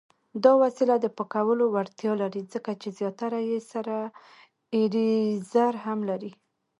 دا وسیله د پاکولو وړتیا لري، ځکه چې زیاتره یې سره ایریزر هم لري.